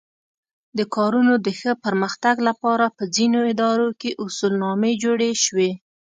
د کارونو د ښه پرمختګ لپاره په ځینو ادارو کې اصولنامې جوړې شوې.